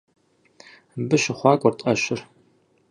Мыбы щыхъуакӀуэрт Ӏэщыр.